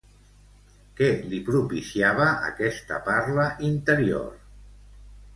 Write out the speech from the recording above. Què li propiciava aquesta parla interior?